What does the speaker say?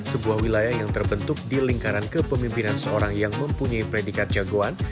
sebuah wilayah yang terbentuk di lingkaran kepemimpinan seorang yang mempunyai predikat jagoan